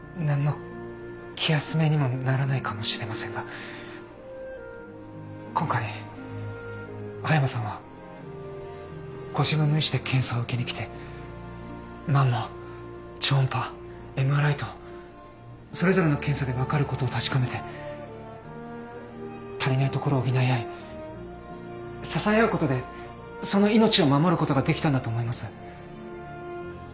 何の気休めにもならないかもしれませんが今回葉山さんはご自分の意思で検査を受けに来てマンモ超音波ＭＲＩとそれぞれの検査で分かることを確かめて足りないところを補い合い支え合うことでその命を守ることができたんだと思います。